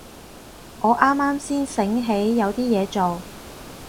我啱啱先醒起有啲嘢做